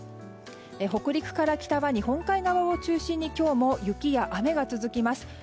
北陸から北は日本海側を中心に今日も雪や雨が続きます。